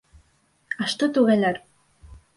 Ашты түгәләр!